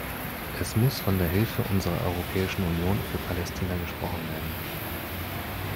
Es muss von der Hilfe unserer Europäischen Union für Palästina gesprochen werden.